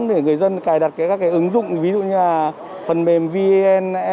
để người dân cài đặt các ứng dụng ví dụ như là phần mềm vnid của bộ công an